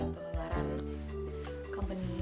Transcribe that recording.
pengeluaran kompeni kita